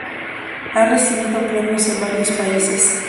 Ha recibido premios en varios países.